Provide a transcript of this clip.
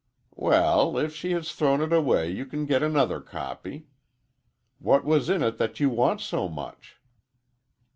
"Well, if she has thrown it away, you can get another copy. What was in it that you want so much?"